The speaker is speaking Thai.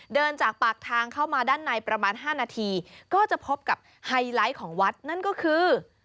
จากปากทางเข้ามาด้านในประมาณ๕นาทีก็จะพบกับไฮไลท์ของวัดนั่นก็คือ